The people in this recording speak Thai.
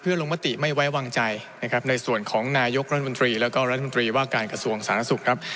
เพื่อลงปฏิไม่ไว้วางใจในส่วนของนายกรัฐมนตรีและก็รัฐมนตรีว่าการกระทรวงศาลนักศึกษ์